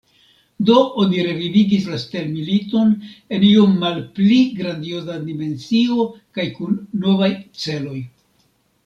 Do oni revivigis la stelmiliton, en iom malpli grandioza dimensio kaj kun novaj celoj.